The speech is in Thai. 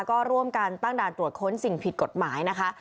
ก็ร่วมกันตั้งด่านตรวจค้นสิ่งผิดกฎหมายนะคะ